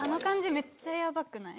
めっちゃヤバくない？